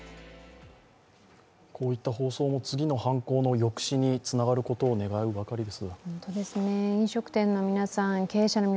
こういった放送も次の犯行の抑止につながることを願うばかりです。